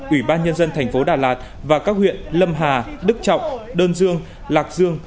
ủy ban nhân dân tp đà lạt và các huyện lâm hà đức trọng đơn dương lạc dương